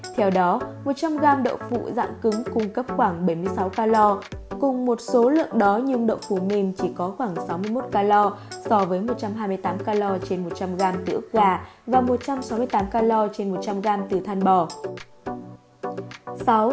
theo đó một trăm linh g đậu phụ dạng cứng cung cấp khoảng bảy mươi sáu calo cùng một số lượng đó nhưng đậu phụ mềm chỉ có khoảng sáu mươi một calo so với một trăm hai mươi tám calo trên một trăm linh g từ ức gà và một trăm sáu mươi tám calo trên một trăm linh g từ ức gà